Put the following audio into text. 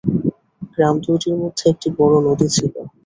গ্রাম দুইটির মধ্যে একটি বড় নদী ছিল।